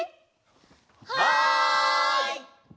はい！